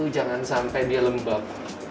jangan sampai dia lembab